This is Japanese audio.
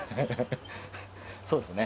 そうですね。